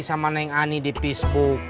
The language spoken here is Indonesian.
sama neng ani di facebook